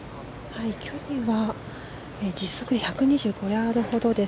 距離は実測１２５ヤードほどです。